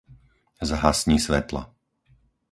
Zhasni svetlo.